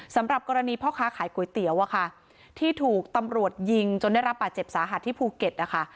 สำหรับกรณีพ่อค้าขายก๋วยเตี๋ยวอะค่ะที่ถูกตำรวจยิงจนได้รับบาดเจ็บสาหัสที่ภูเก็ตนะคะ